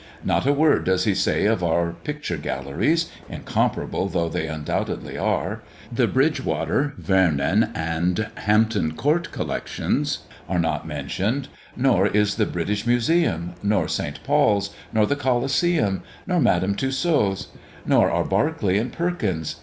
Not a word does he say of our picture galleries, incomparable though they undoubtedly are. The Bridgewater, Vernon, and Hampton Court collections are not mentioned; nor is the British Museum nor St. Paul's nor the Colosseum nor Madame Tussaud's nor are Barclay and Perkins!